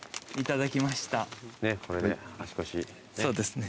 そうですね。